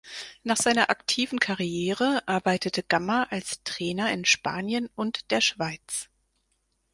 Nach seiner aktiven Karriere arbeitete Gamma als Trainer in Spanien und der Schweiz.